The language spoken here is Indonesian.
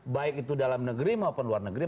baik itu dalam negeri maupun luar negeri